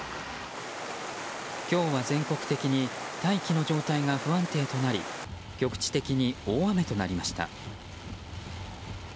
今日は全国的に大気の状態が不安定となり局地的に大雨となりました。